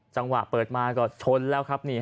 จังหวะเปิดมาก็ชนแล้วครับ